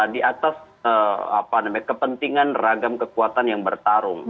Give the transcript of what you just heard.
di atas apa namanya kepentingan ragam kekuatan yang bertarung